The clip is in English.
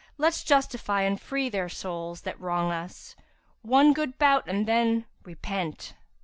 let's justify and free their souls * That wrong us; one good bout and then—repent!'''